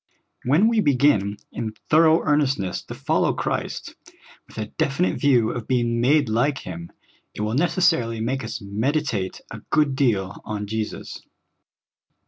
When we begin in thorough earnestness to follow Christ, with a definite view of being made like Him, it will necessarily make us meditate a good deal on Jesus.